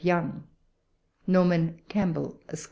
YOUNG. Norman Campbell, Esq.